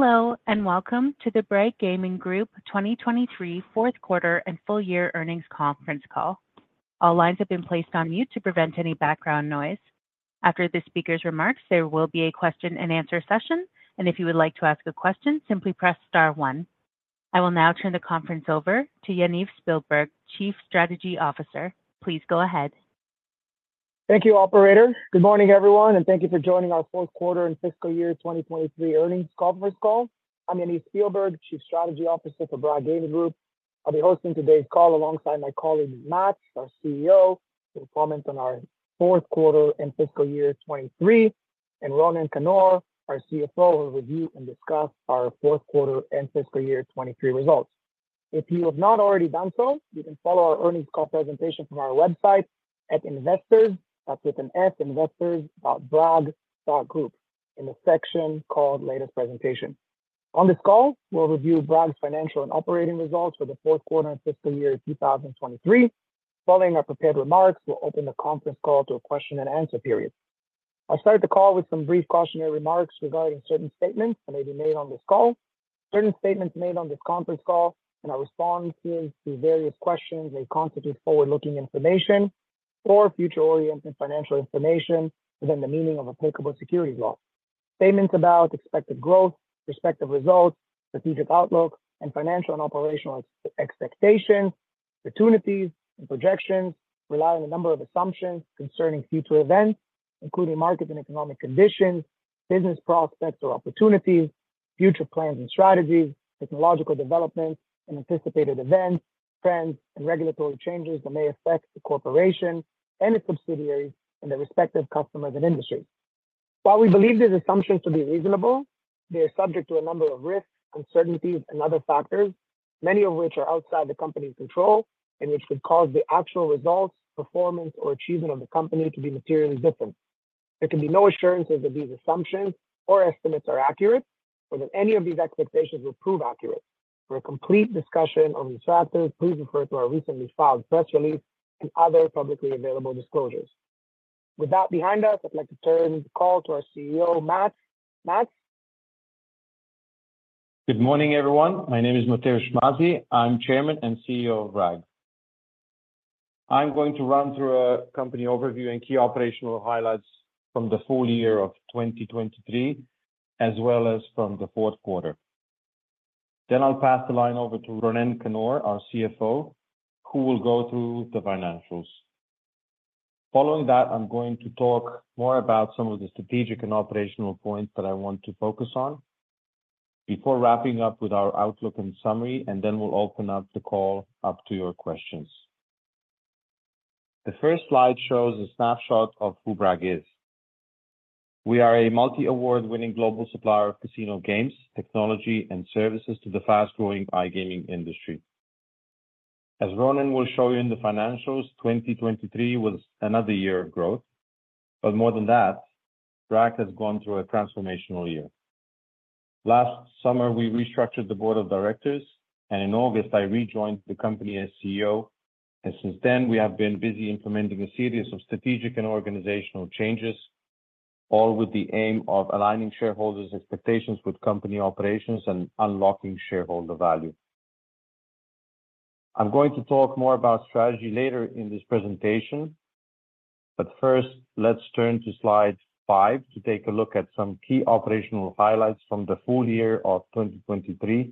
Hello and welcome to the Bragg Gaming Group 2023 fourth quarter and full year earnings conference call. All lines have been placed on mute to prevent any background noise. After the speaker's remarks, there will be a question and answer session, and if you would like to ask a question, simply press star 1. I will now turn the conference over to Yaniv Spielberg, Chief Strategy Officer. Please go ahead. Thank you, Operator. Good morning, everyone, and thank you for joining our fourth quarter and fiscal year 2023 earnings conference call. I'm Yaniv Spielberg, Chief Strategy Officer for Bragg Gaming Group. I'll be hosting today's call alongside my colleague Mat, our CEO, who will comment on our fourth quarter and fiscal year 2023, and Ronen Kannor, our CFO, who will review and discuss our fourth quarter and fiscal year 2023 results. If you have not already done so, you can follow our earnings call presentation from our website at investors, that's with an S, investors.bragg.group, in the section called Latest Presentation. On this call, we'll review Bragg's financial and operating results for the fourth quarter and fiscal year 2023. Following our prepared remarks, we'll open the conference call to a question and answer period. I'll start the call with some brief cautionary remarks regarding certain statements that may be made on this call. Certain statements made on this conference call and our responses to various questions may constitute forward-looking information or future-oriented financial information within the meaning of applicable securities law. Statements about expected growth, prospective results, strategic outlook, and financial and operational expectations, opportunities, and projections rely on a number of assumptions concerning future events, including market and economic conditions, business prospects or opportunities, future plans and strategies, technological developments, and anticipated events, trends, and regulatory changes that may affect the corporation and its subsidiaries and their respective customers and industries. While we believe these assumptions to be reasonable, they are subject to a number of risks, uncertainties, and other factors, many of which are outside the company's control and which could cause the actual results, performance, or achievement of the company to be materially different. There can be no assurances that these assumptions or estimates are accurate or that any of these expectations will prove accurate. For a complete discussion of these factors, please refer to our recently filed press release and other publicly available disclosures. With that behind us, I'd like to turn the call to our CEO, Mat. Mat. Good morning, everyone. My name is Matevž Mazij. I'm Chairman and CEO of Bragg. I'm going to run through a company overview and key operational highlights from the full year of 2023, as well as from the fourth quarter. Then I'll pass the line over to Ronen Kannor, our CFO, who will go through the financials. Following that, I'm going to talk more about some of the strategic and operational points that I want to focus on before wrapping up with our outlook and summary, and then we'll open up the call up to your questions. The first slide shows a snapshot of who Bragg is. We are a multi-award-winning global supplier of casino games, technology, and services to the fast-growing iGaming industry. As Ronen will show you in the financials, 2023 was another year of growth, but more than that, Bragg has gone through a transformational year. Last summer, we restructured the board of directors, and in August, I rejoined the company as CEO, and since then, we have been busy implementing a series of strategic and organizational changes, all with the aim of aligning shareholders' expectations with company operations and unlocking shareholder value. I'm going to talk more about strategy later in this presentation, but first, let's turn to slide five to take a look at some key operational highlights from the full year of 2023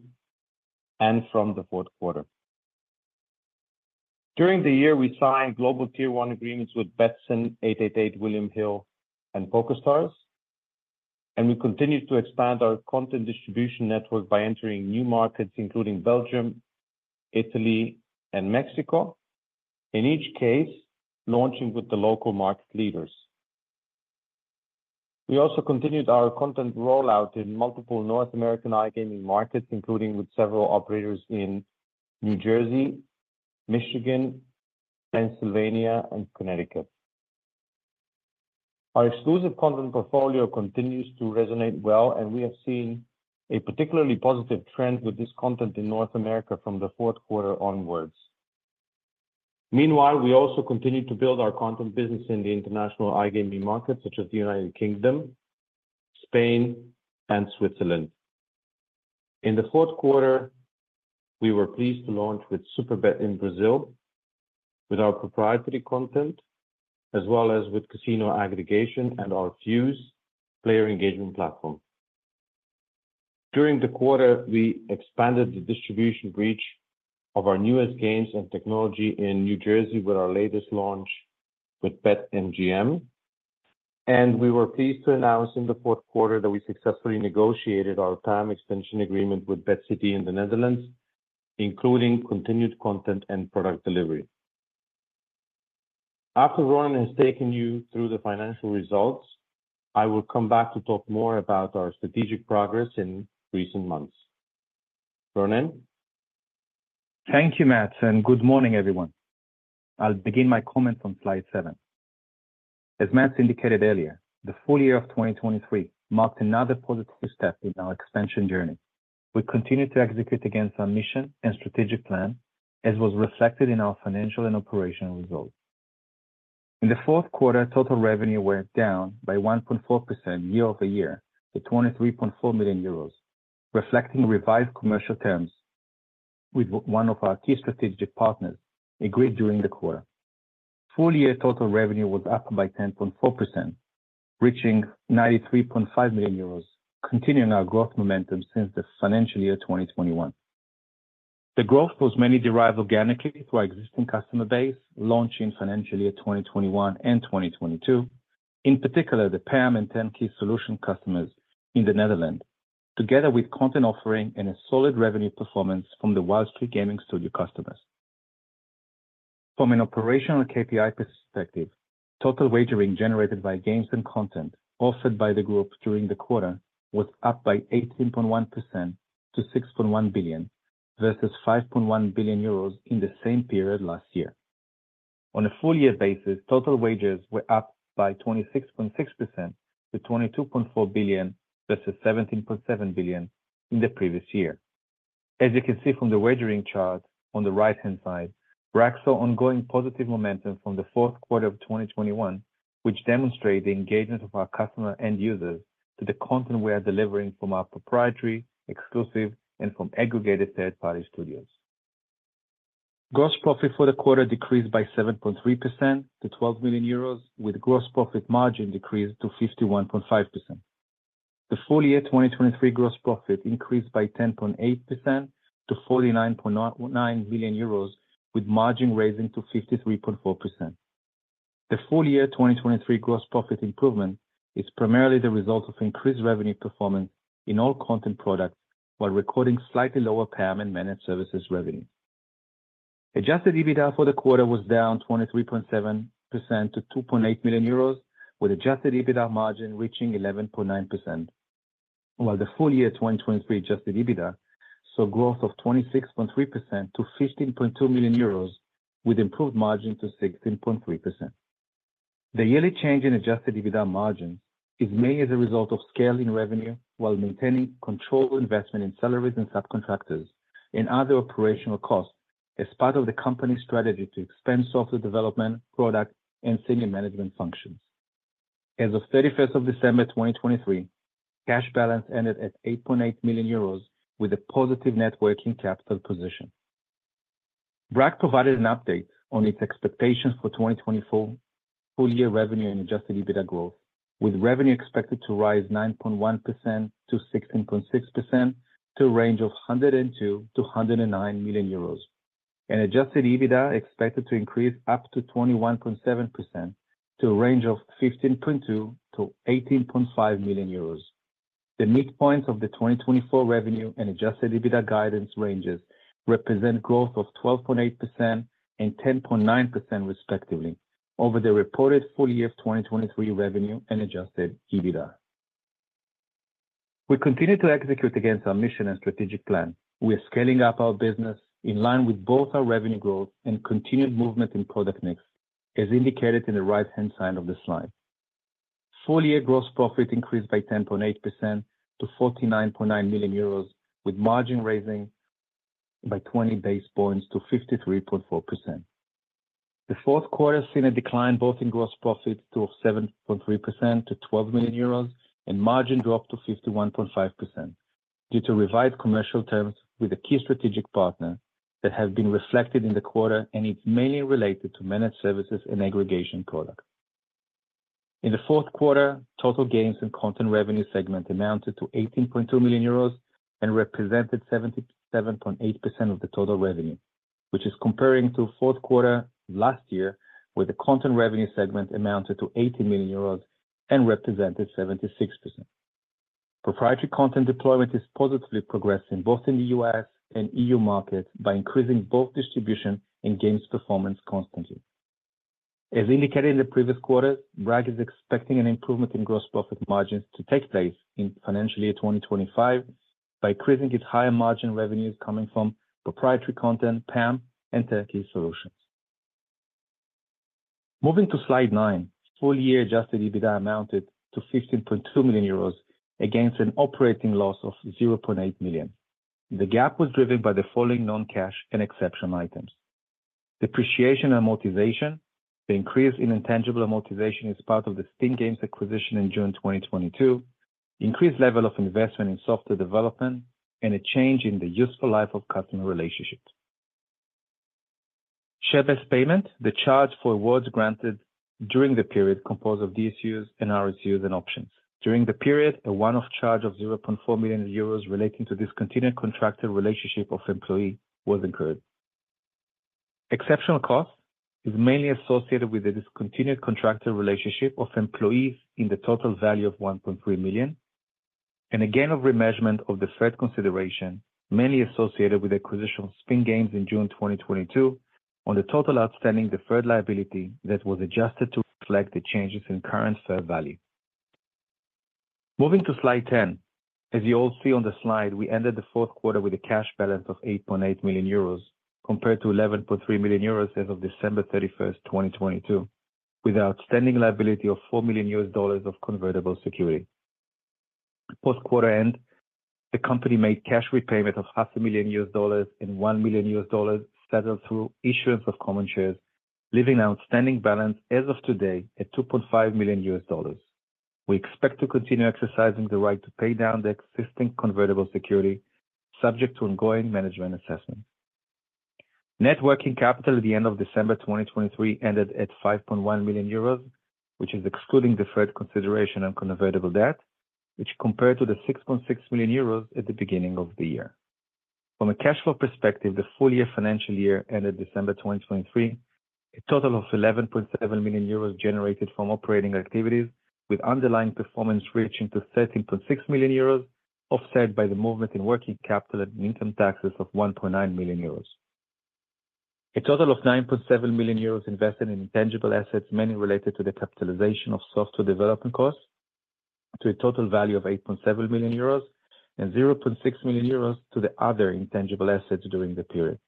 and from the fourth quarter. During the year, we signed global tier-one agreements with Betsson, 888/William Hill, and PokerStars, and we continued to expand our content distribution network by entering new markets, including Belgium, Italy, and Mexico, in each case launching with the local market leaders. We also continued our content rollout in multiple North American iGaming markets, including with several operators in New Jersey, Michigan, Pennsylvania, and Connecticut. Our exclusive content portfolio continues to resonate well, and we have seen a particularly positive trend with this content in North America from the fourth quarter onwards. Meanwhile, we also continue to build our content business in the international iGaming markets, such as the United Kingdom, Spain, and Switzerland. In the fourth quarter, we were pleased to launch with Superbet in Brazil with our proprietary content, as well as with casino aggregation and our Fuze player engagement platform. During the quarter, we expanded the distribution reach of our newest games and technology in New Jersey with our latest launch with BetMGM, and we were pleased to announce in the fourth quarter that we successfully negotiated our time extension agreement with BetCity in the Netherlands, including continued content and product delivery. After Ronen has taken you through the financial results, I will come back to talk more about our strategic progress in recent months. Ronen? Thank you, Mat, and good morning, everyone. I'll begin my comment on slide seven. As Mat indicated earlier, the full year of 2023 marked another positive step in our expansion journey. We continue to execute against our mission and strategic plan, as was reflected in our financial and operational results. In the fourth quarter, total revenue went down by 1.4% year-over-year to 23.4 million euros, reflecting revised commercial terms with one of our key strategic partners agreed during the quarter. Full-year total revenue was up by 10.4%, reaching 93.5 million euros, continuing our growth momentum since the financial year 2021. The growth was mainly derived organically through our existing customer base, launching financial year 2021 and 2022, in particular the PAM and turnkey solutions customers in the Netherlands, together with content offering and a solid revenue performance from the Wild Streak Gaming Studio customers. From an operational KPI perspective, total wagering generated by games and content offered by the group during the quarter was up by 18.1% to 6.1 billion versus 5.1 billion euros in the same period last year. On a full-year basis, total wagering was up by 26.6% to 22.4 billion versus 17.7 billion in the previous year. As you can see from the wagering chart on the right-hand side, Bragg saw ongoing positive momentum from the fourth quarter of 2021, which demonstrated the engagement of our customer end users to the content we are delivering from our proprietary, exclusive, and from aggregated third-party studios. Gross profit for the quarter decreased by 7.3% to 12 million euros, with gross profit margin decreased to 51.5%. The full year 2023 gross profit increased by 10.8% to 49.9 million euros, with margin raising to 53.4%. The full year 2023 gross profit improvement is primarily the result of increased revenue performance in all content products while recording slightly lower PAM and managed services revenue. Adjusted EBITDA for the quarter was down 23.7% to 2.8 million euros, with adjusted EBITDA margin reaching 11.9%, while the full year 2023 adjusted EBITDA saw growth of 26.3% to 15.2 million euros, with improved margin to 16.3%. The yearly change in adjusted EBITDA margins is made as a result of scaling revenue while maintaining controlled investment in salaries and subcontractors and other operational costs as part of the company's strategy to expand software development, product, and senior management functions. As of 31st of December 2023, cash balance ended at 8.8 million euros, with a positive net working capital position. Bragg provided an update on its expectations for 2024 full year revenue and adjusted EBITDA growth, with revenue expected to rise 9.1%-16.6% to a range of 102-109 million euros, and adjusted EBITDA expected to increase up to 21.7% to a range of 15.2-18.5 million euros. The midpoints of the 2024 revenue and adjusted EBITDA guidance ranges represent growth of 12.8% and 10.9%, respectively over the reported full year of 2023 revenue and adjusted EBITDA. We continue to execute against our mission and strategic plan. We are scaling up our business in line with both our revenue growth and continued movement in product mix, as indicated in the right-hand side of the slide. Full year gross profit increased by 10.8% to 49.9 million euros, with margin rising by 20 basis points to 53.4%. The fourth quarter has seen a decline both in gross profit of 7.3% to 12 million euros and margin drop to 51.5% due to revised commercial terms with a key strategic partner that have been reflected in the quarter and is mainly related to managed services and aggregation products. In the fourth quarter, total games and content revenue segment amounted to 18.2 million euros and represented 77.8% of the total revenue, which is comparing to fourth quarter last year where the content revenue segment amounted to 80 million euros and represented 76%. Proprietary content deployment is positively progressing both in the U.S. and EU markets by increasing both distribution and games performance constantly. As indicated in the previous quarters, Bragg is expecting an improvement in gross profit margins to take place in financial year 2025 by increasing its higher margin revenues coming from proprietary content, PAM, and turnkey solutions. Moving to slide nine. Full-year adjusted EBITDA amounted to 15.2 million euros against an operating loss of 0.8 million. The gap was driven by the following non-cash and exceptional items: depreciation amortization, the increase in intangible amortization as part of the Spin Games acquisition in June 2022, increased level of investment in software development, and a change in the useful life of customer relationships. Share-based payment, the charge for awards granted during the period composed of DSUs, RSUs, and options. During the period, a one-off charge of 0.4 million euros relating to discontinued contractor relationship of employee was incurred. Exceptional cost is mainly associated with the discontinued contractor relationship of employees in the total value of 1.3 million, and a gain of remeasurement of the FX consideration mainly associated with acquisition of Spin Games in June 2022 on the total outstanding deferred liability that was adjusted to reflect the changes in current FX value. Moving to slide 10. As you all see on the slide, we ended the fourth quarter with a cash balance of 8.8 million euros compared to 11.3 million euros as of December 31st, 2022, with an outstanding liability of $4 million of convertible security. Post-quarter end, the company made cash repayment of $500,000 and $1 million settled through issuance of common shares, leaving an outstanding balance as of today at $2.5 million. We expect to continue exercising the right to pay down the existing convertible security, subject to ongoing management assessment. Net working capital at the end of December 2023 ended at 5.1 million euros, which is excluding deferred consideration and convertible debt, which compared to the 6.6 million euros at the beginning of the year. From a cash flow perspective, the full year financial year ended December 2023, a total of 11.7 million euros generated from operating activities, with underlying performance reaching to 13.6 million euros, offset by the movement in working capital and income taxes of 1.9 million euros. A total of 9.7 million euros invested in intangible assets, mainly related to the capitalization of software development costs, to a total value of 8.7 million euros and 0.6 million euros to the other intangible assets during the period.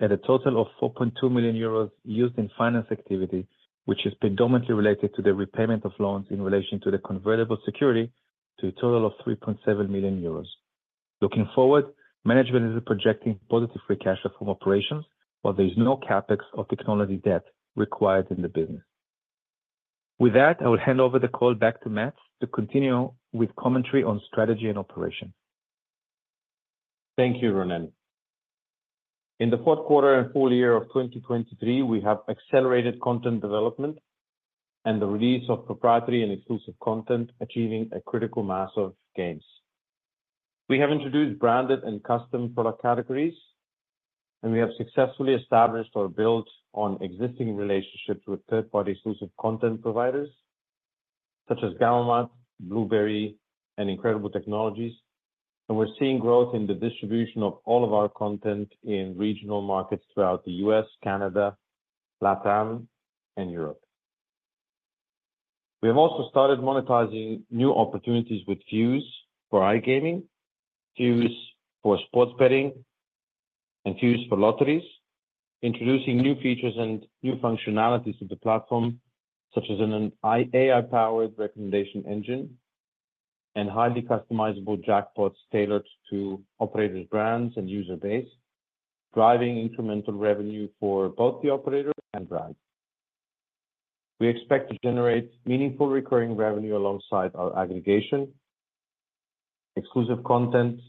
At a total of 4.2 million euros used in finance activity, which is predominantly related to the repayment of loans in relation to the convertible security, to a total of 3.7 million euros. Looking forward, management is projecting positive free cash flow from operations, while there is no CapEx or technology debt required in the business. With that, I will hand over the call back to Mat to continue with commentary on strategy and operation. Thank you, Ronen. In the fourth quarter and full year of 2023, we have accelerated content development and the release of proprietary and exclusive content, achieving a critical mass of games. We have introduced branded and custom product categories, and we have successfully established or built on existing relationships with third-party exclusive content providers such as Gamomat, Bluberi, and Incredible Technologies, and we're seeing growth in the distribution of all of our content in regional markets throughout the U.S., Canada, LATAM, and Europe. We have also started monetizing new opportunities with Fuze for iGaming, Fuze for sports betting, and Fuze for lotteries, introducing new features and new functionalities to the platform such as an AI-powered recommendation engine and highly customizable jackpots tailored to operators' brands and user base, driving incremental revenue for both the operator and Bragg. We expect to generate meaningful recurring revenue alongside our aggregation, exclusive content,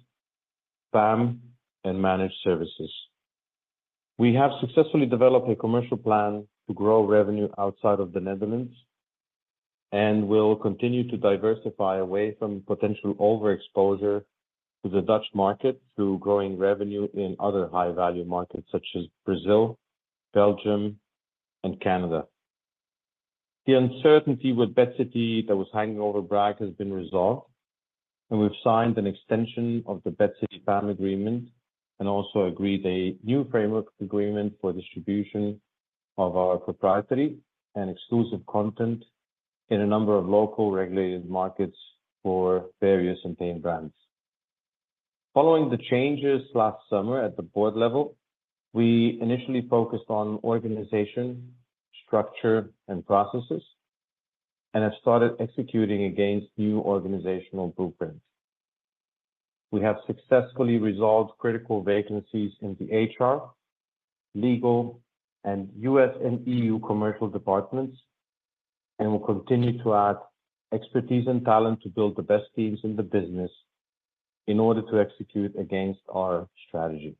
PAM, and managed services. We have successfully developed a commercial plan to grow revenue outside of the Netherlands and will continue to diversify away from potential overexposure to the Dutch market through growing revenue in other high-value markets such as Brazil, Belgium, and Canada. The uncertainty with BetCity that was hanging over Bragg has been resolved, and we've signed an extension of the BetCity PAM agreement and also agreed a new framework agreement for distribution of our proprietary and exclusive content in a number of local regulated markets for various entertainment brands. Following the changes last summer at the board level, we initially focused on organization, structure, and processes and have started executing against new organizational blueprints. We have successfully resolved critical vacancies in the HR, legal, and U.S. and E.U. commercial departments and will continue to add expertise and talent to build the best teams in the business in order to execute against our strategy.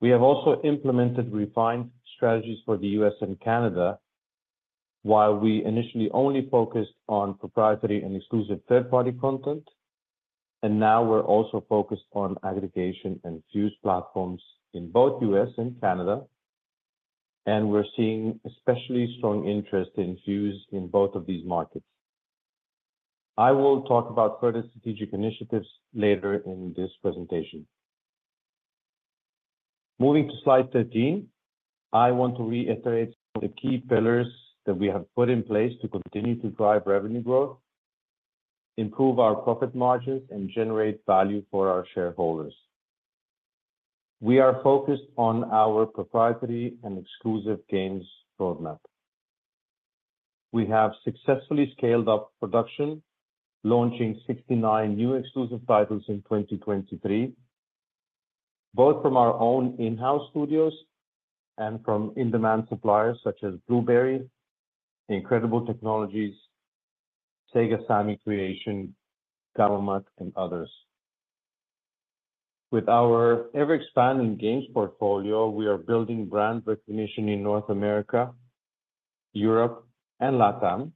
We have also implemented refined strategies for the U.S. and Canada while we initially only focused on proprietary and exclusive third-party content, and now we're also focused on aggregation and Fuze platforms in both U.S. and Canada, and we're seeing especially strong interest in Fuze in both of these markets. I will talk about further strategic initiatives later in this presentation. Moving to slide 13, I want to reiterate some of the key pillars that we have put in place to continue to drive revenue growth, improve our profit margins, and generate value for our shareholders. We are focused on our proprietary and exclusive games roadmap. We have successfully scaled up production, launching 69 new exclusive titles in 2023, both from our own in-house studios and from in-demand suppliers such as Bluberi, Incredible Technologies, Sega Sammy Creation, Gamomat, and others. With our ever-expanding games portfolio, we are building brand recognition in North America, Europe, and LATAM,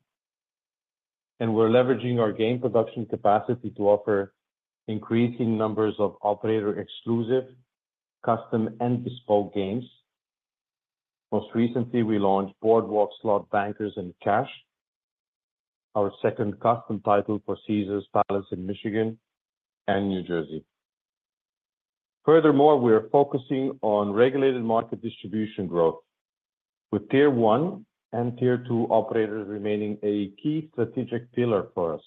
and we're leveraging our game production capacity to offer increasing numbers of operator-exclusive, custom, and bespoke games. Most recently, we launched Boardwalk Slots Bankers & Cash, our second custom title for Caesars Palace in Michigan and New Jersey. Furthermore, we are focusing on regulated market distribution growth, with Tier 1 and Tier 2 operators remaining a key strategic pillar for us,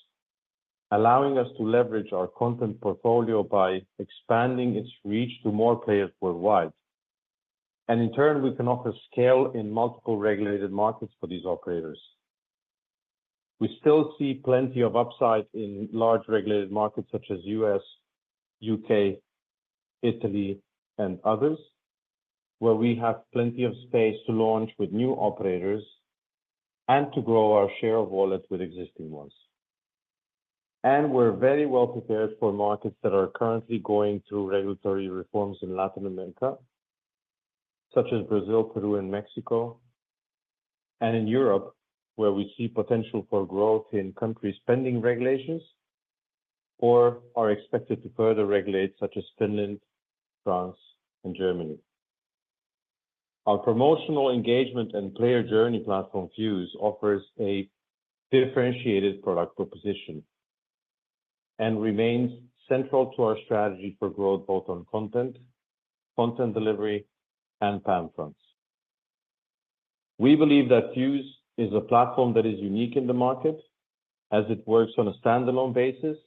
allowing us to leverage our content portfolio by expanding its reach to more players worldwide, and in turn, we can offer scale in multiple regulated markets for these operators. We still see plenty of upside in large regulated markets such as U.S., U.K., Italy, and others, where we have plenty of space to launch with new operators and to grow our share of wallet with existing ones. We're very well prepared for markets that are currently going through regulatory reforms in Latin America, such as Brazil, Peru, and Mexico, and in Europe, where we see potential for growth in country spending regulations or are expected to further regulate, such as Finland, France, and Germany. Our promotional engagement and player journey platform, Fuze, offers a differentiated product proposition and remains central to our strategy for growth both on content, content delivery, and PAM fronts. We believe that Fuze is a platform that is unique in the market as it works on a standalone basis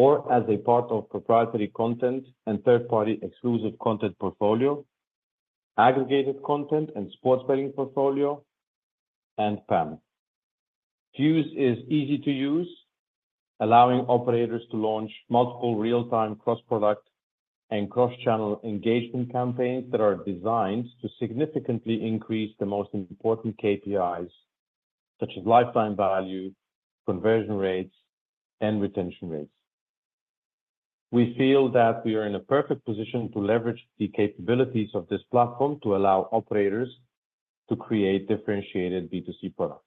or as a part of proprietary content and third-party exclusive content portfolio, aggregated content, and sports betting portfolio, and PAM. Fuze is easy to use, allowing operators to launch multiple real-time cross-product and cross-channel engagement campaigns that are designed to significantly increase the most important KPIs, such as lifetime value, conversion rates, and retention rates. We feel that we are in a perfect position to leverage the capabilities of this platform to allow operators to create differentiated B2C products.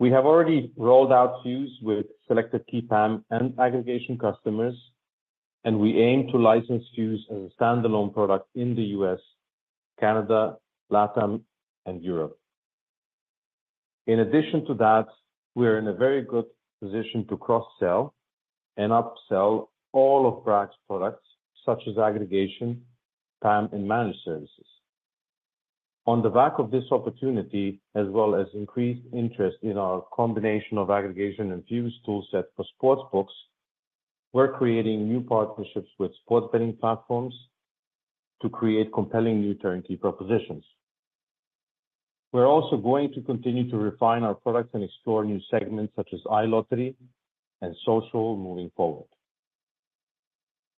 We have already rolled out Fuze with selected key PAM and aggregation customers, and we aim to license Fuze as a standalone product in the U.S., Canada, LATAM, and Europe. In addition to that, we are in a very good position to cross-sell and upsell all of Bragg's products such as aggregation, PAM, and managed services. On the back of this opportunity, as well as increased interest in our combination of aggregation and Fuze toolset for sports books, we're creating new partnerships with sports betting platforms to create compelling new turnkey propositions. We're also going to continue to refine our products and explore new segments such as iLottery and social, moving forward.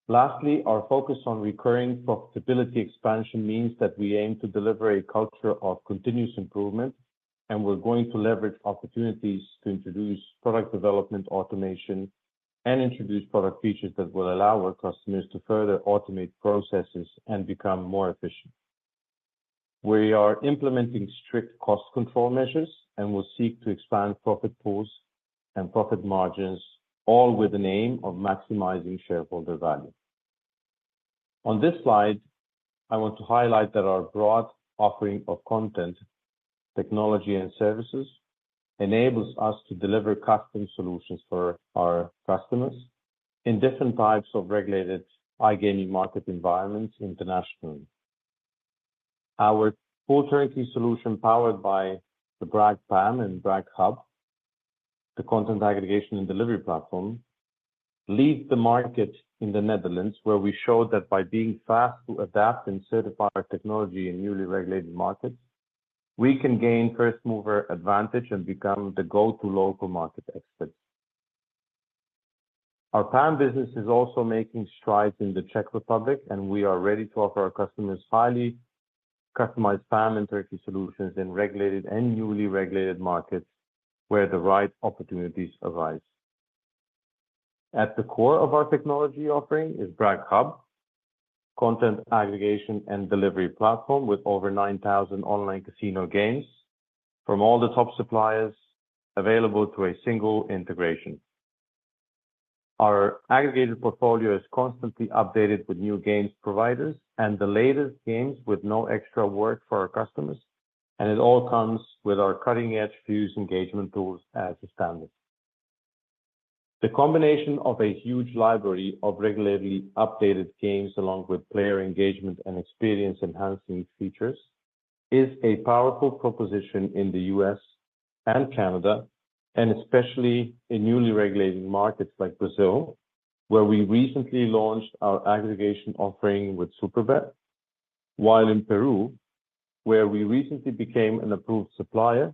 Lastly, our focus on recurring profitability expansion means that we aim to deliver a culture of continuous improvement, and we're going to leverage opportunities to introduce product development automation and introduce product features that will allow our customers to further automate processes and become more efficient. We are implementing strict cost control measures and will seek to expand profit pools and profit margins all in the name of maximizing shareholder value. On this slide, I want to highlight that our broad offering of content, technology, and services enables us to deliver custom solutions for our customers in different types of regulated iGaming market environments internationally. Our full turnkey solution powered by the Bragg PAM and Bragg Hub, the content aggregation and delivery platform, leads the market in the Netherlands, where we showed that by being fast to adapt and certify our technology in newly regulated markets, we can gain first-mover advantage and become the go-to local market experts. Our PAM business is also making strides in the Czech Republic, and we are ready to offer our customers highly customized PAM and turnkey solutions in regulated and newly regulated markets where the right opportunities arise. At the core of our technology offering is Bragg Hub, content aggregation and delivery platform with over 9,000 online casino games from all the top suppliers available to a single integration. Our aggregated portfolio is constantly updated with new games providers and the latest games with no extra work for our customers, and it all comes with our cutting-edge Fuze engagement tools as a standard. The combination of a huge library of regularly updated games along with player engagement and experience-enhancing features is a powerful proposition in the U.S. and Canada, and especially in newly regulated markets like Brazil, where we recently launched our aggregation offering with Superbet, while in Peru, where we recently became an approved supplier,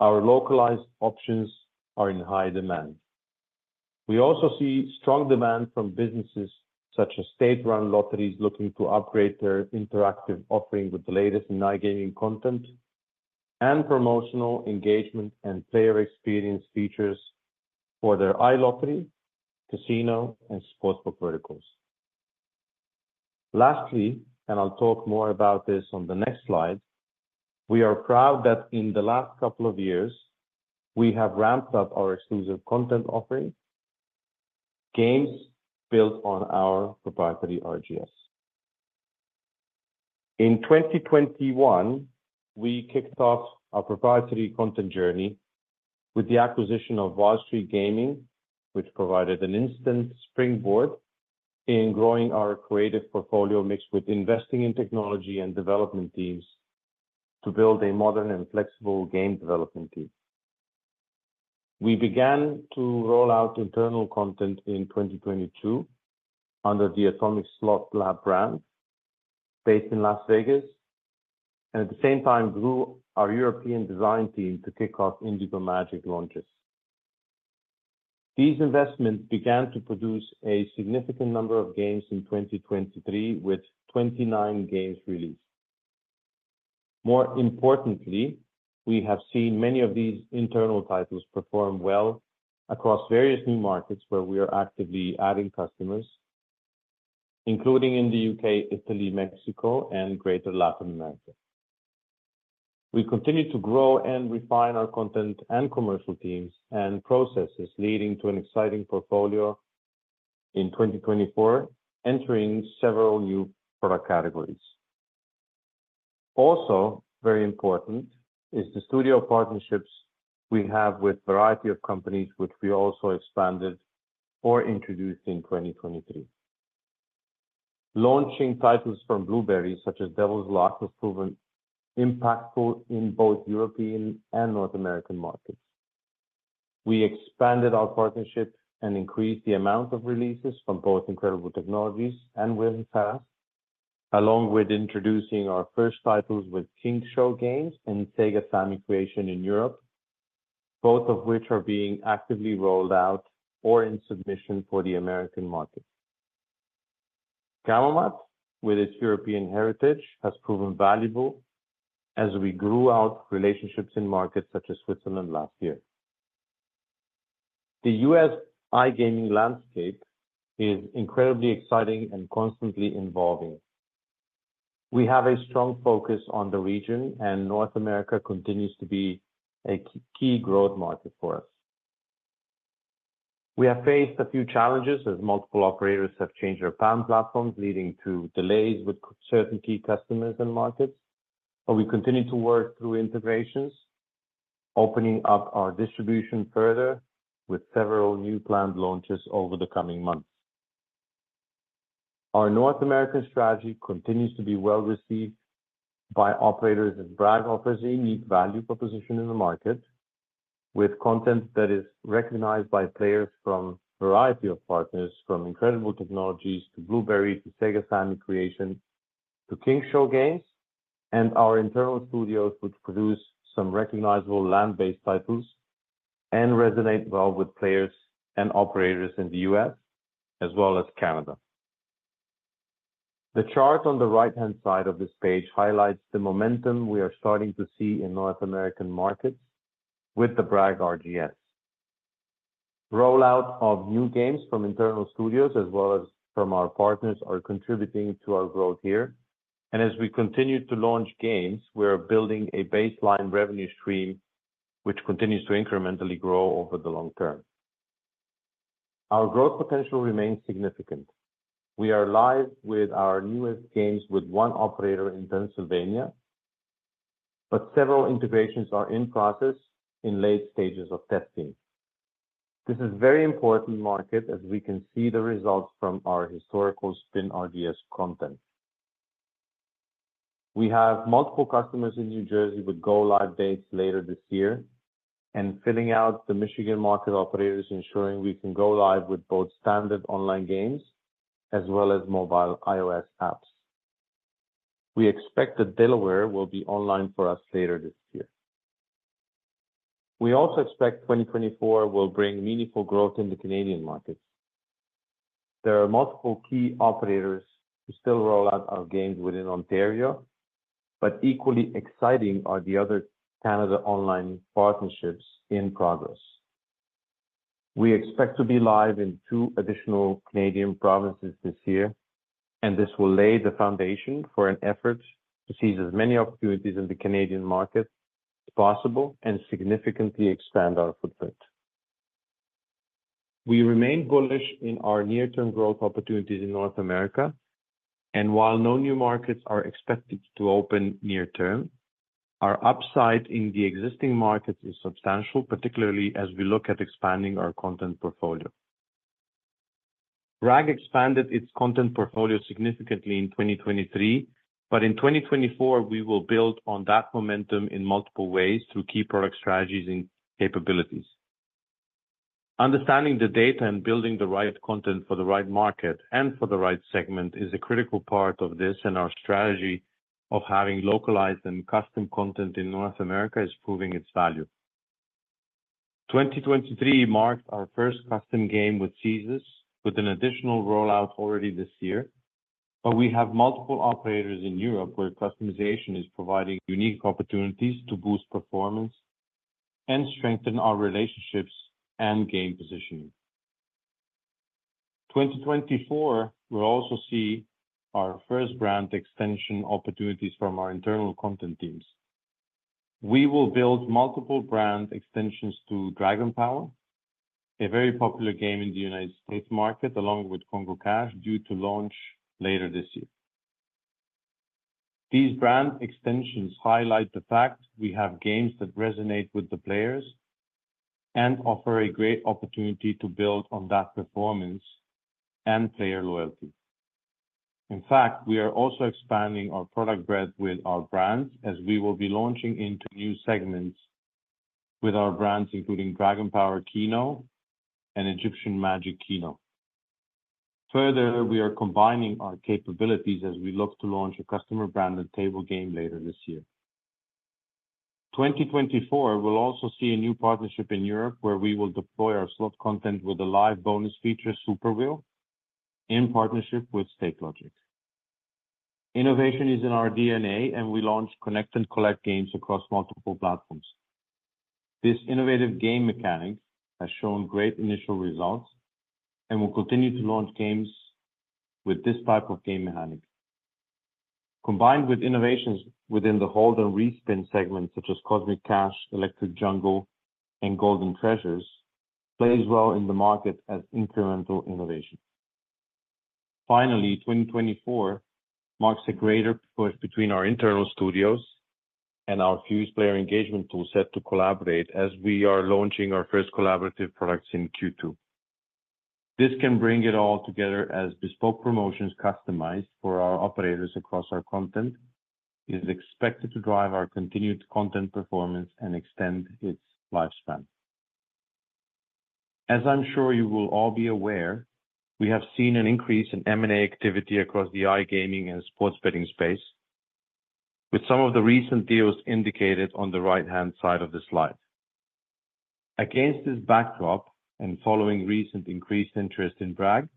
our localized options are in high demand. We also see strong demand from businesses such as state-run lotteries looking to upgrade their interactive offering with the latest in iGaming content, and promotional engagement and player experience features for their iLottery, casino, and sports book verticals. Lastly, and I'll talk more about this on the next slide, we are proud that in the last couple of years, we have ramped up our exclusive content offering, games built on our proprietary RGS. In 2021, we kicked off our proprietary content journey with the acquisition of Wild Streak Gaming, which provided an instant springboard in growing our creative portfolio, mixed with investing in technology and development teams to build a modern and flexible game development team. We began to roll out internal content in 2022 under the Atomic Slot Lab brand based in Las Vegas, and at the same time grew our European design team to kick off Indigo Magic launches. These investments began to produce a significant number of games in 2023 with 29 games released. More importantly, we have seen many of these internal titles perform well across various new markets where we are actively adding customers, including in the UK, Italy, Mexico, and greater Latin America. We continue to grow and refine our content and commercial teams and processes, leading to an exciting portfolio in 2024, entering several new product categories. Also, very important is the studio partnerships we have with a variety of companies, which we also expanded or introduced in 2023. Launching titles from Bluberi, such as Devil's Lock, has proven impactful in both European and North American markets. We expanded our partnership and increased the amount of releases from both Incredible Technologies and Win Fast, along with introducing our first titles with King Show Games and Sega Sammy Creation in Europe, both of which are being actively rolled out or in submission for the American market. Gamomat, with its European heritage, has proven valuable as we grew out relationships in markets such as Switzerland last year. The U.S. iGaming landscape is incredibly exciting and constantly evolving. We have a strong focus on the region, and North America continues to be a key growth market for us. We have faced a few challenges as multiple operators have changed their PAM platforms, leading to delays with certain key customers and markets, but we continue to work through integrations, opening up our distribution further with several new planned launches over the coming months. Our North American strategy continues to be well received by operators as Bragg offers a unique value proposition in the market with content that is recognized by players from a variety of partners, from Incredible Technologies to Bluberi to Sega Sammy Creation to King Show Games, and our internal studios which produce some recognizable land-based titles and resonate well with players and operators in the U.S. as well as Canada. The chart on the right-hand side of this page highlights the momentum we are starting to see in North American markets with the Bragg RGS. Rollout of new games from internal studios as well as from our partners are contributing to our growth here, and as we continue to launch games, we are building a baseline revenue stream which continues to incrementally grow over the long term. Our growth potential remains significant. We are live with our newest games with one operator in Pennsylvania, but several integrations are in process in late stages of testing. This is a very important market as we can see the results from our historical Spin RGS content. We have multiple customers in New Jersey with go-live dates later this year and filling out the Michigan market operators ensuring we can go live with both standard online games as well as mobile iOS apps. We expect that Delaware will be online for us later this year. We also expect 2024 will bring meaningful growth in the Canadian markets. There are multiple key operators who still roll out our games within Ontario, but equally exciting are the other Canada online partnerships in progress. We expect to be live in two additional Canadian provinces this year, and this will lay the foundation for an effort to seize as many opportunities in the Canadian market as possible and significantly expand our footprint. We remain bullish in our near-term growth opportunities in North America, and while no new markets are expected to open near term, our upside in the existing markets is substantial, particularly as we look at expanding our content portfolio. Bragg expanded its content portfolio significantly in 2023, but in 2024, we will build on that momentum in multiple ways through key product strategies and capabilities. Understanding the data and building the right content for the right market and for the right segment is a critical part of this, and our strategy of having localized and custom content in North America is proving its value. 2023 marked our first custom game with Caesars with an additional rollout already this year, but we have multiple operators in Europe where customization is providing unique opportunities to boost performance and strengthen our relationships and game positioning. 2024 will also see our first brand extension opportunities from our internal content teams. We will build multiple brand extensions to Dragon Power, a very popular game in the United States market, along with Congo Cash, due to launch later this year. These brand extensions highlight the fact we have games that resonate with the players and offer a great opportunity to build on that performance and player loyalty. In fact, we are also expanding our product breadth with our brands as we will be launching into new segments with our brands, including Dragon Power Keno and Egyptian Magic Keno. Further, we are combining our capabilities as we look to launch a customer-branded table game later this year. 2024 will also see a new partnership in Europe, where we will deploy our slot content with the live bonus feature Super Wheel in partnership with Stakelogic. Innovation is in our DNA, and we launch Connect & Collect games across multiple platforms. This innovative game mechanic has shown great initial results and will continue to launch games with this type of game mechanic. Combined with innovations within the hold and re-spin segments, such as Cosmic Cash, Electric Jungle, and Golden Treasures, plays well in the market as incremental innovation. Finally, 2024 marks a greater push between our internal studios and our Fuze player engagement toolset to collaborate as we are launching our first collaborative products in Q2. This can bring it all together as bespoke promotions customized for our operators across our content is expected to drive our continued content performance and extend its lifespan. As I'm sure you will all be aware, we have seen an increase in M&A activity across the iGaming and sports betting space with some of the recent deals indicated on the right-hand side of the slide. Against this backdrop and following recent increased interest in Bragg,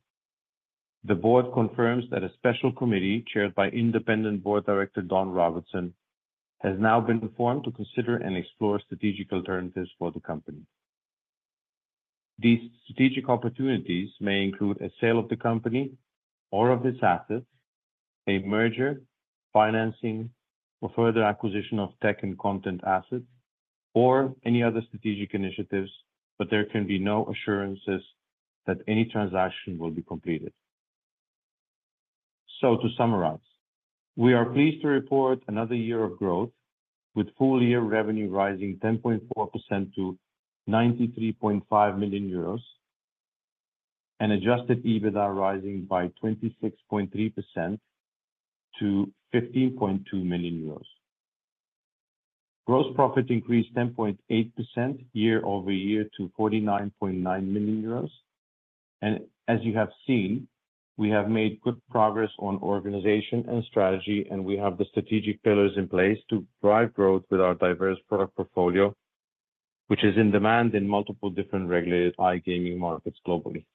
the board confirms that a special committee chaired by independent board director Don Robertson has now been formed to consider and explore strategic alternatives for the company. These strategic opportunities may include a sale of the company or of its assets, a merger, financing, or further acquisition of tech and content assets, or any other strategic initiatives, but there can be no assurances that any transaction will be completed. To summarize, we are pleased to report another year of growth with full-year revenue rising 10.4% to 93.5 million euros and adjusted EBITDA rising by 26.3% to 15.2 million euros. Gross profit increased 10.8% year-over-year to 49.9 million euros, and as you have seen, we have made good progress on organization and strategy, and we have the strategic pillars in place to drive growth with our diverse product portfolio, which is in demand in multiple different regulated iGaming markets globally.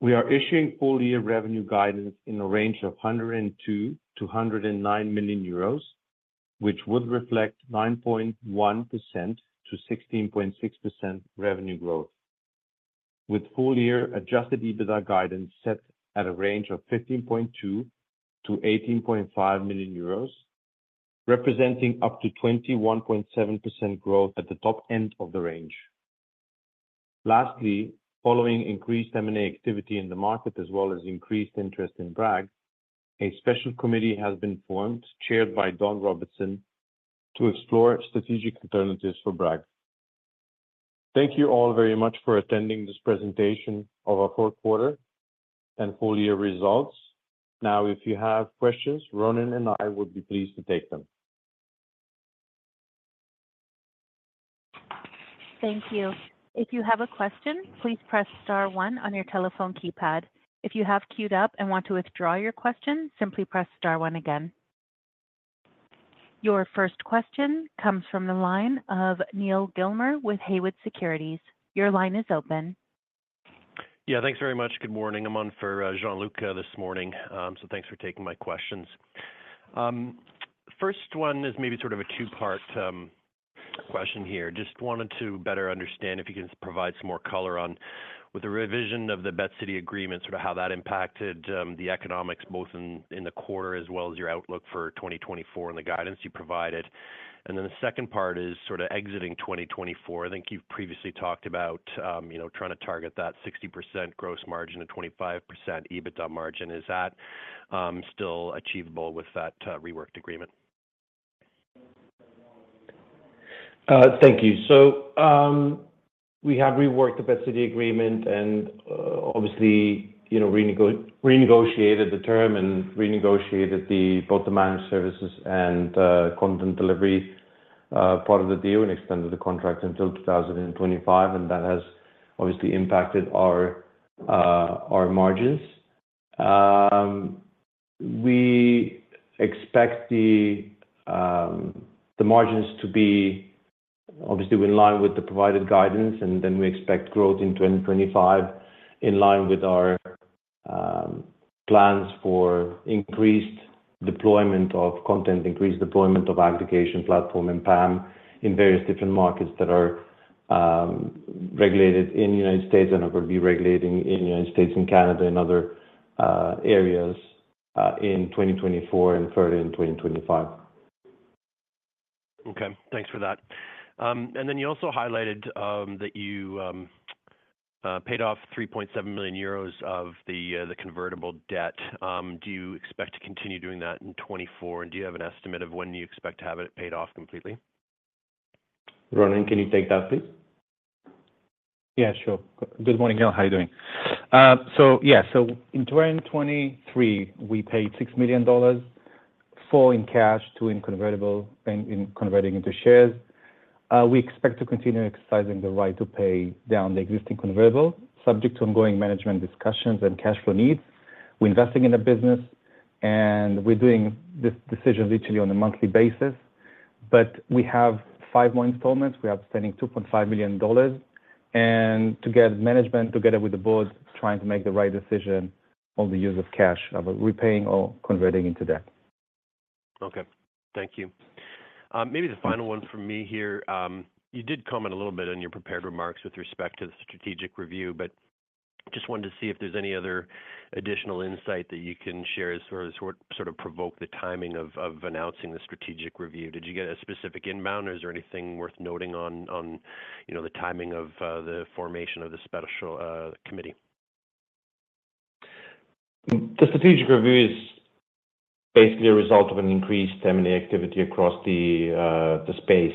We are issuing full-year revenue guidance in a range of 102 million-109 million euros, which would reflect 9.1%-16.6% revenue growth with full-year adjusted EBITDA guidance set at a range of 15.2 million-18.5 million euros, representing up to 21.7% growth at the top end of the range. Lastly, following increased M&A activity in the market as well as increased interest in Bragg, a special committee has been formed chaired by Don Robertson to explore strategic alternatives for Bragg. Thank you all very much for attending this presentation of our fourth quarter and full-year results. Now, if you have questions, Ronen and I would be pleased to take them. Thank you. If you have a question, please press star one on your telephone keypad. If you have queued up and want to withdraw your question, simply press star one again. Your first question comes from the line of Neil Gilmer with Haywood Securities. Your line is open. Yeah, thanks very much. Good morning. I'm on for Gianluca this morning, so thanks for taking my questions. First one is maybe sort of a two-part question here. Just wanted to better understand if you can provide some more color on with the revision of the BetCity agreement, sort of how that impacted the economics both in the quarter as well as your outlook for 2024 and the guidance you provided. And then the second part is sort of exiting 2024. I think you've previously talked about trying to target that 60% gross margin and 25% EBITDA margin. Is that still achievable with that reworked agreement? Thank you. So we have reworked the BetCity agreement and obviously renegotiated the term and renegotiated both the managed services and content delivery part of the deal and extended the contract until 2025, and that has obviously impacted our margins. We expect the margins to be obviously in line with the provided guidance, and then we expect growth in 2025 in line with our plans for increased deployment of content, increased deployment of aggregation platform and PAM in various different markets that are regulated in the United States and are going to be regulating in the United States and Canada in other areas in 2024 and further in 2025. Okay. Thanks for that. And then you also highlighted that you paid off 3.7 million euros of the convertible debt. Do you expect to continue doing that in 2024, and do you have an estimate of when you expect to have it paid off completely? Ronen, can you take that, please? Yeah, sure. Good morning, Neil. How are you doing? So yeah, so in 2023, we paid $6 million fully in cash to converting into shares. We expect to continue exercising the right to pay down the existing convertible subject to ongoing management discussions and cash flow needs with investing in the business, and we're doing this decision literally on a monthly basis. But we have five more installments. We are spending $2.5 million, and management together with the board trying to make the right decision on the use of cash, repaying or converting into debt. Okay. Thank you. Maybe the final one from me here. You did comment a little bit on your prepared remarks with respect to the strategic review, but just wanted to see if there's any other additional insight that you can share as far as what sort of provoked the timing of announcing the strategic review. Did you get a specific inbound, or is there anything worth noting on the timing of the formation of the special committee? The strategic review is basically a result of an increased M&A activity across the space,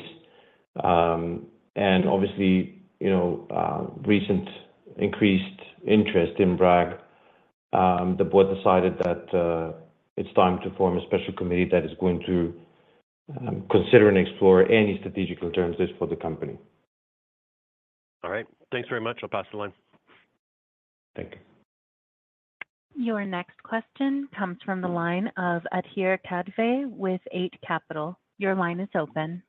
and obviously, recent increased interest in Bragg. The board decided that it's time to form a special committee that is going to consider and explore any strategical terms there for the company. All right. Thanks very much. I'll pass the line. Thank you. Your next question comes from the line of Adhir Kadve with Eight Capital. Your line is open.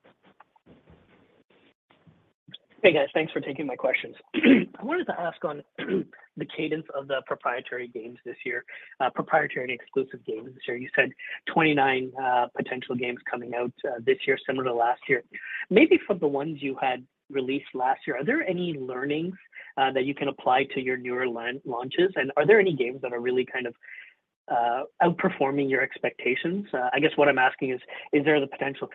Hey, guys. Thanks for taking my questions. I wanted to ask on the cadence of the proprietary games this year, proprietary and exclusive games this year. You said 29 potential games coming out this year, similar to last year. Maybe for the ones you had released last year, are there any learnings that you can apply to your newer launches, and are there any games that are really kind of outperforming your expectations? I guess what I'm asking is, is there the potential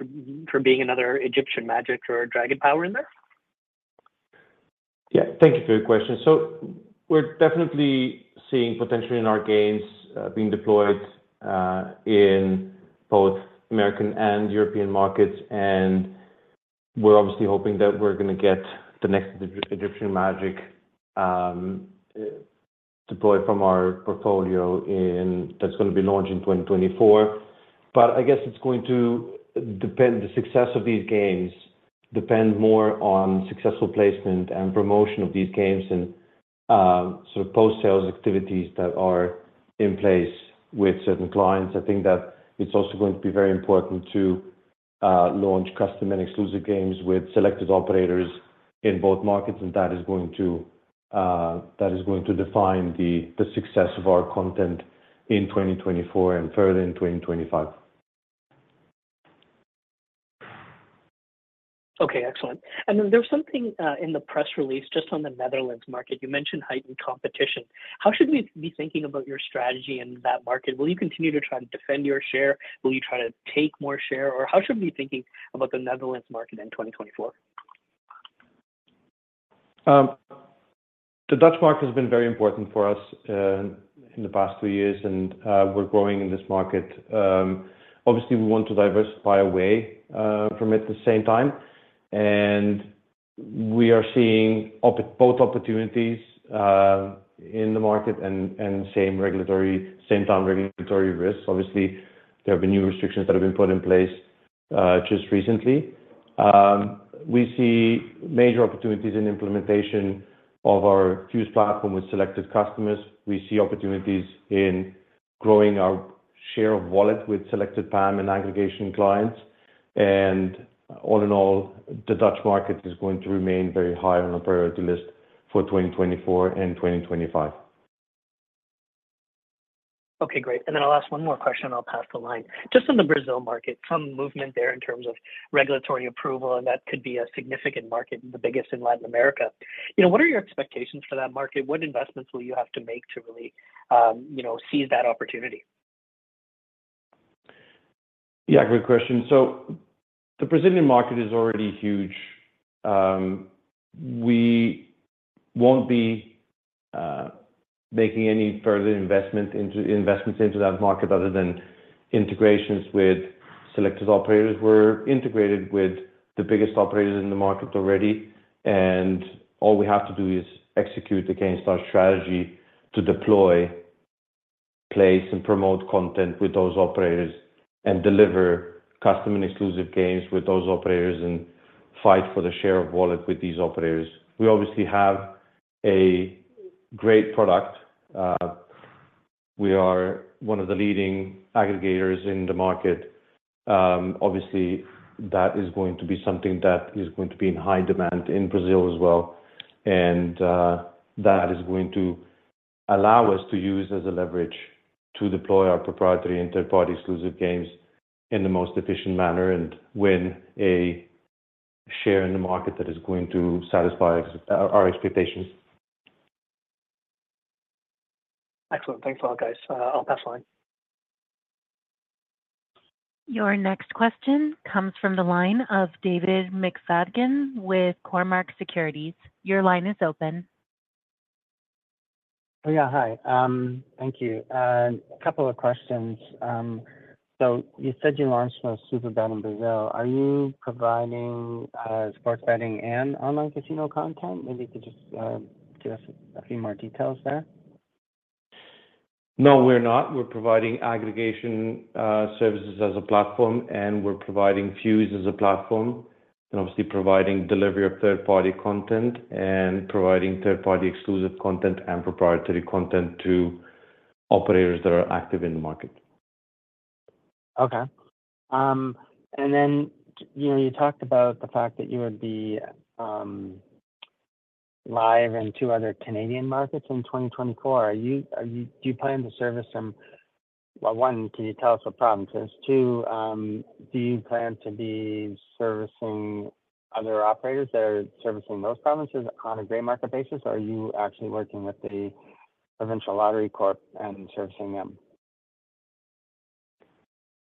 for being another Egyptian Magic or Dragon Power in there? Yeah. Thank you for your question. So we're definitely seeing potential in our games being deployed in both American and European markets, and we're obviously hoping that we're going to get the next Egyptian Magic deployed from our portfolio that's going to be launched in 2024. But I guess it's going to depend the success of these games depend more on successful placement and promotion of these games and sort of post-sales activities that are in place with certain clients. I think that it's also going to be very important to launch custom and exclusive games with selected operators in both markets, and that is going to that is going to define the success of our content in 2024 and further in 2025. Okay. Excellent. And then there was something in the press release just on the Netherlands market. You mentioned heightened competition. How should we be thinking about your strategy in that market? Will you continue to try and defend your share? Will you try to take more share, or how should we be thinking about the Netherlands market in 2024? The Dutch market has been very important for us in the past three years, and we're growing in this market. Obviously, we want to diversify away from it at the same time, and we are seeing both opportunities in the market and same-time regulatory risks. Obviously, there have been new restrictions that have been put in place just recently. We see major opportunities in implementation of our Fuze platform with selected customers. We see opportunities in growing our share of wallet with selected PAM and aggregation clients. And all in all, the Dutch market is going to remain very high on our priority list for 2024 and 2025. Okay. Great. And then I'll ask one more question, and I'll pass the line. Just on the Brazil market, some movement there in terms of regulatory approval, and that could be a significant market, the biggest in Latin America. What are your expectations for that market? What investments will you have to make to really seize that opportunity? Yeah, great question. So the Brazilian market is already huge. We won't be making any further investments into that market other than integrations with selected operators. We're integrated with the biggest operators in the market already, and all we have to do is execute the GameStar strategy to deploy, place, and promote content with those operators and deliver custom and exclusive games with those operators, and fight for the share of wallet with these operators. We obviously have a great product. We are one of the leading aggregators in the market. Obviously, that is going to be something that is going to be in high demand in Brazil as well, and that is going to allow us to use as a leverage to deploy our proprietary third-party exclusive games in the most efficient manner and win a share in the market that is going to satisfy our expectations. Excellent. Thanks a lot, guys. I'll pass the line. Your next question comes from the line of David McFadgen with Cormark Securities. Your line is open. Oh, yeah. Hi. Thank you. A couple of questions. So you said you launched with Superbet in Brazil. Are you providing sports betting and online casino content? Maybe you could just give us a few more details there. No, we're not. We're providing aggregation services as a platform, and we're providing Fuze as a platform and obviously providing delivery of third-party content and providing third-party exclusive content and proprietary content to operators that are active in the market. Okay. And then you talked about the fact that you would be live in two other Canadian markets in 2024. Do you plan to service them? Well, one, can you tell us what provinces? Two, do you plan to be servicing other operators that are servicing those provinces on a gray market basis, or are you actually working with the provincial lottery corp and servicing them?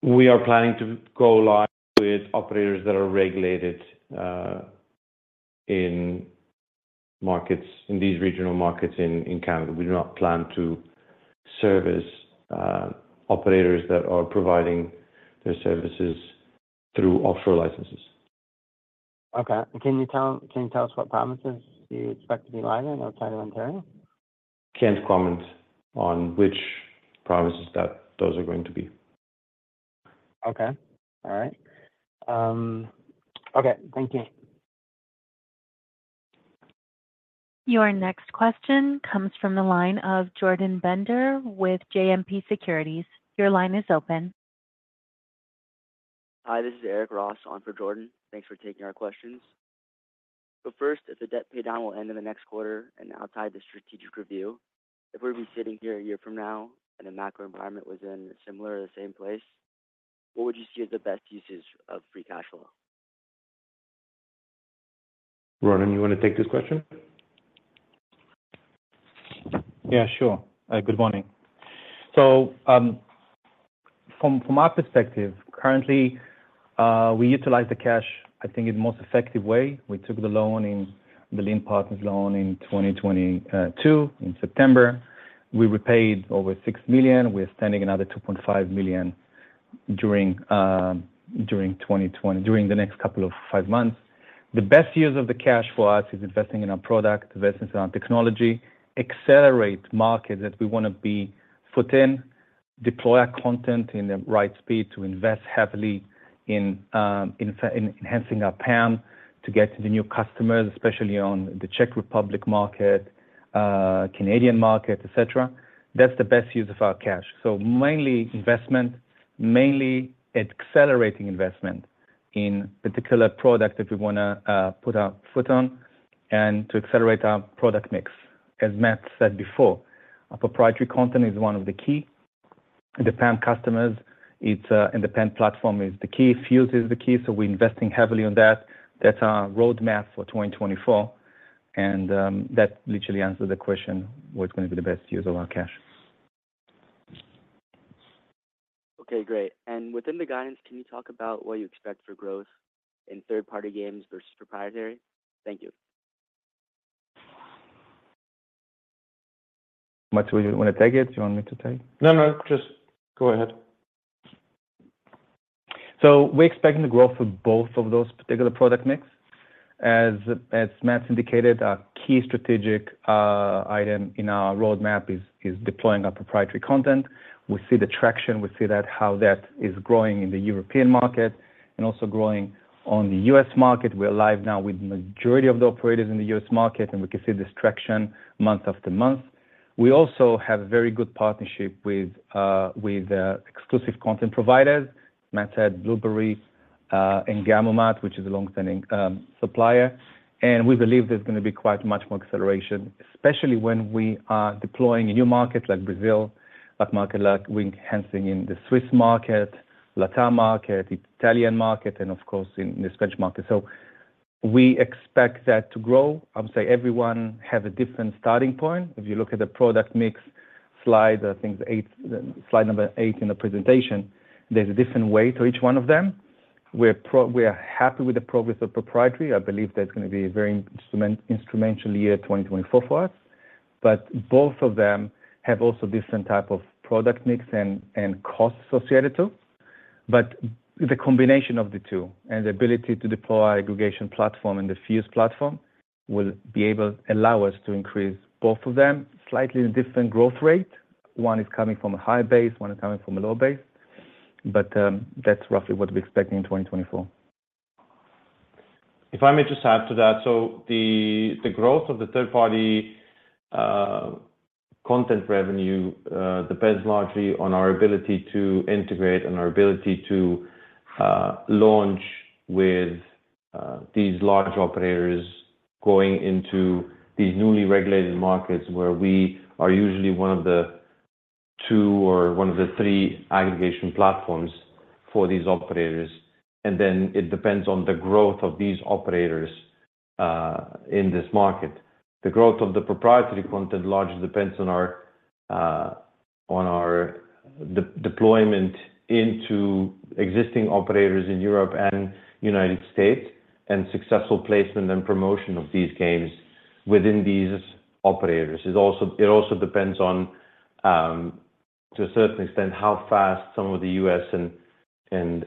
We are planning to go live with operators that are regulated in these regional markets in Canada. We do not plan to service operators that are providing their services through offshore licenses. Okay. Can you tell us what provinces you expect to be live in outside of Ontario? Can't comment on which provinces those are going to be. Okay. All right. Okay. Thank you. Your next question comes from the line of Jordan Bender with JMP Securities. Your line is open. Hi. This is Eric Ross on for Jordan. Thanks for taking our questions. First, if the debt paydown will end in the next quarter and outside the strategic review, if we were to be sitting here a year from now and the macro environment was in a similar or the same place, what would you see as the best uses of free cash flow? Ronen, you want to take this question? Yeah, sure. Good morning. So from our perspective, currently, we utilize the cash, I think, in the most effective way. We took the loan in the The Lind Partners loan in 2022 in September. We repaid over $6 million. We are spending another $2.5 million during the next couple of five months. The best use of the cash for us is investing in our product, investing in our technology, accelerate markets that we want to be foot in, deploy our content in the right speed to invest heavily in enhancing our PAM to get to the new customers, especially on the Czech Republic market, Canadian market, etc. That's the best use of our cash. So mainly investment, mainly accelerating investment in particular product that we want to put our foot on and to accelerate our product mix. As Matevž said before, our proprietary content is one of the key. The PAM customers, independent platform is the key. Fuze is the key, so we're investing heavily on that. That's our roadmap for 2024, and that literally answers the question what's going to be the best use of our cash. Okay. Great. And within the guidance, can you talk about what you expect for growth in third-party games versus proprietary? Thank you. Mat, do you want to take it? Do you want me to take? No, no. Just go ahead. So we're expecting the growth of both of those particular product mix. As Matevž's indicated, our key strategic item in our roadmap is deploying our proprietary content. We see the traction. We see how that is growing in the European market and also growing on the U.S. market. We're live now with the majority of the operators in the U.S. market, and we can see this traction month after month. We also have a very good partnership with exclusive content providers, Mat said Bluberi and Gamomat, which is a longstanding supplier. And we believe there's going to be quite much more acceleration, especially when we are deploying a new market like Brazil, a market like we're enhancing in the Swiss market, LATAM market, Italian market, and of course, in the Spanish market. So we expect that to grow. I would say everyone has a different starting point. If you look at the product mix slide, I think slide number eight in the presentation, there's a different way to each one of them. We are happy with the progress of proprietary. I believe there's going to be a very instrumental year 2024 for us, but both of them have also different types of product mix and costs associated too. But the combination of the two and the ability to deploy our aggregation platform and the Fuze platform will allow us to increase both of them slightly in a different growth rate. One is coming from a high base. One is coming from a low base. But that's roughly what we're expecting in 2024. If I may just add to that, so the growth of the third-party content revenue depends largely on our ability to integrate and our ability to launch with these large operators going into these newly regulated markets, where we are usually one of the two or one of the three aggregation platforms for these operators. Then it depends on the growth of these operators in this market. The growth of the proprietary content largely depends on our deployment into existing operators in Europe and United States and successful placement and promotion of these games within these operators. It also depends on, to a certain extent, how fast some of the U.S. and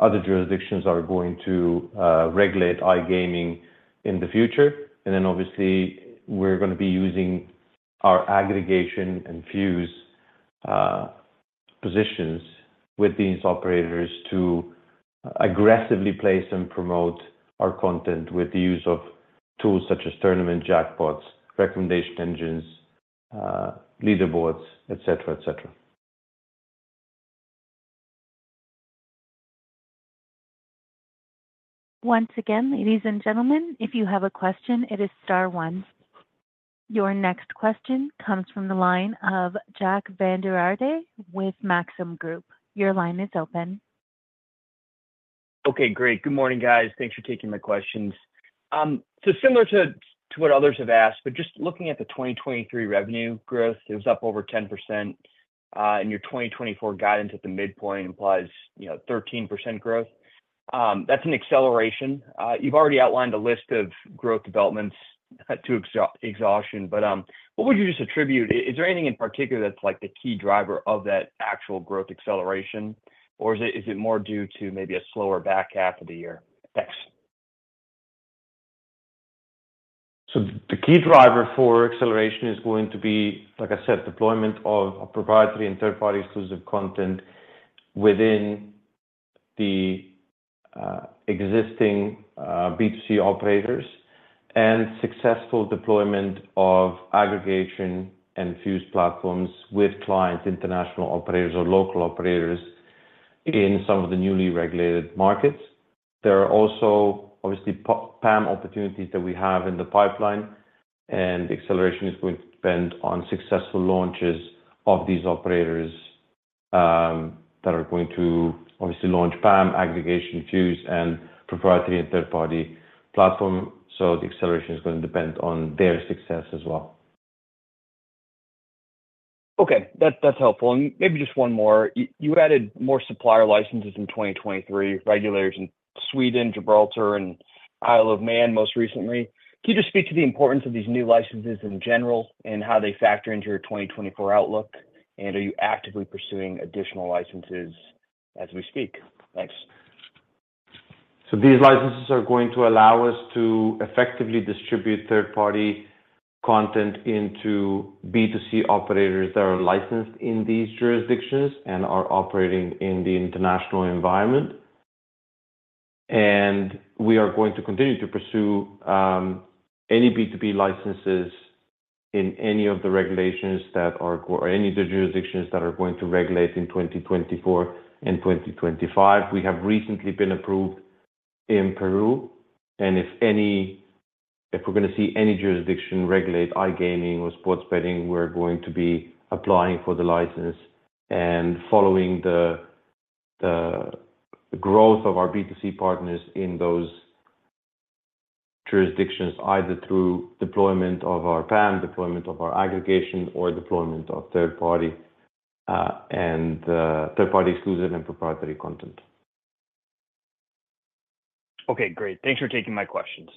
other jurisdictions are going to regulate iGaming in the future. And then obviously, we're going to be using our aggregation and Fuze positions with these operators to aggressively place and promote our content with the use of tools such as tournament jackpots, recommendation engines, leaderboards, etc., etc. Once again, ladies and gentlemen, if you have a question, it is star one. Your next question comes from the line of Jack Vander Aarde with Maxim Group. Your line is open. Okay. Great. Good morning, guys. Thanks for taking my questions. So similar to what others have asked, but just looking at the 2023 revenue growth, it was up over 10%, and your 2024 guidance at the midpoint implies 13% growth. That's an acceleration. You've already outlined a list of growth developments to exhaustion, but what would you just attribute? Is there anything in particular that's the key driver of that actual growth acceleration, or is it more due to maybe a slower back half of the year? Thanks. So the key driver for acceleration is going to be, like I said, deployment of proprietary and third-party exclusive content within the existing B2C operators and successful deployment of aggregation and Fuze platforms with clients, international operators, or local operators in some of the newly regulated markets. There are also obviously PAM opportunities that we have in the pipeline, and the acceleration is going to depend on successful launches of these operators that are going to obviously launch PAM, aggregation, Fuze, and proprietary and third-party platform. So the acceleration is going to depend on their success as well. Okay. That's helpful. And maybe just one more. You added more supplier licenses in 2023, regulators in Sweden, Gibraltar, and Isle of Man most recently. Can you just speak to the importance of these new licenses in general and how they factor into your 2024 outlook, and are you actively pursuing additional licenses as we speak? Thanks. These licenses are going to allow us to effectively distribute third-party content into B2C operators that are licensed in these jurisdictions and are operating in the international environment. We are going to continue to pursue any B2B licenses in any of the regulations that are or any of the jurisdictions that are going to regulate in 2024 and 2025. We have recently been approved in Peru. If we're going to see any jurisdiction regulate iGaming or sports betting, we're going to be applying for the license and following the growth of our B2C partners in those jurisdictions, either through deployment of our PAM, deployment of our aggregation, or deployment of third-party exclusive and proprietary content. Okay. Great. Thanks for taking my questions.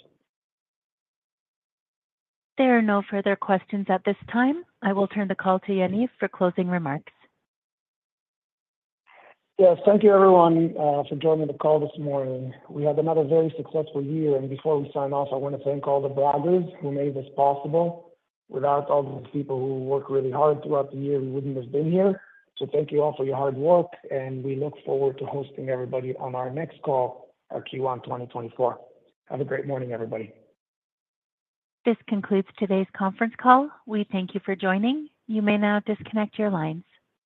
There are no further questions at this time. I will turn the call to Yaniv for closing remarks. Yes. Thank you, everyone, for joining the call this morning. We had another very successful year. Before we sign off, I want to thank all the Braggers who made this possible. Without all these people who work really hard throughout the year, we wouldn't have been here. Thank you all for your hard work, and we look forward to hosting everybody on our next call, our Q1 2024. Have a great morning, everybody. This concludes today's conference call. We thank you for joining. You may now disconnect your lines.